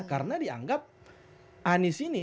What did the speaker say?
karena dianggap anies ini